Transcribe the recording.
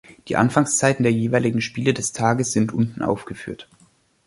Die Anfangszeiten der jeweiligen Spiele des Tages sind unten aufgeführt.